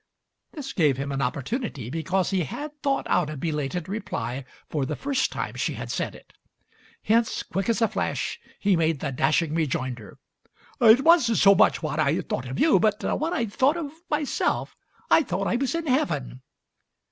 This gave him an opportunity, because he had thought out a belated reply for the first time she had said it. Hence, quick as a flash, he made the dashing rejoinder: "It wasn't so much what I thought of you, but what I thought of myself — I thought I was in heaven!"